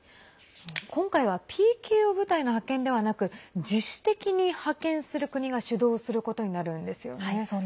今回はＰＫＯ部隊の派遣ではなく自主的に派遣する国が主導することになるんですよね。